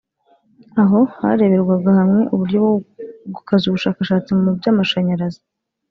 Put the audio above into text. aho hareberwaga hamwe uburyo bwo gukaza ubushakashatsi mu by’amashanyarazi